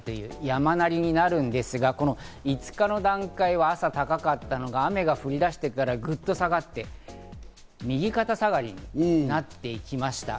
山なりになるんですが、５日の段階は朝高かったのが雨が降り出して、グッと下がって右肩下がりになっていきました。